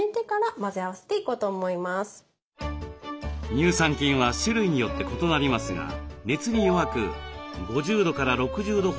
乳酸菌は種類によって異なりますが熱に弱く５０６０度ほどで死んでしまいます。